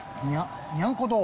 にゃんこ堂。